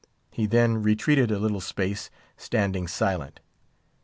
He then retreated a little space, standing silent.